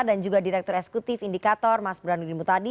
dan juga direktur eksekutif indikator mas brano grimutadi